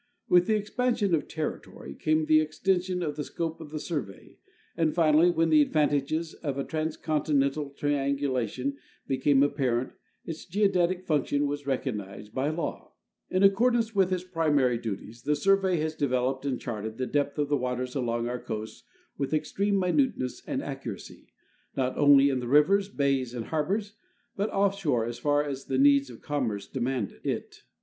With the expansion of terri tory came the extension of the scope of the survey, and finally, when the advantages of a transcontinental triangulation became apparent, its geodetic function was recognized by law^ In accordance with its primary duties the Survey has devel oped and charted the depth of the waters along our coasts with exti'eme minuteness and accuracy, not only in the rivers, bays, and harbors, but off shore as far as the needs of commerce demanded it.